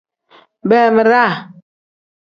Beemiraa.